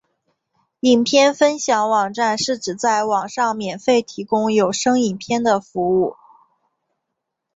影片分享网站是指在网上免费提供有声影片的服务。